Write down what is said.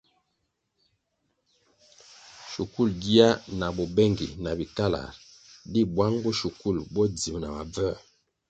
Shukul gia bo bengi na bikalar di bwang bo shukul bo dzi na mabvoē.